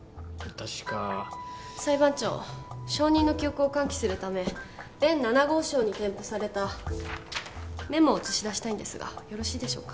確か裁判長証人の記憶を喚起するため弁７号証に添付されたメモを映し出したいんですがよろしいでしょうか？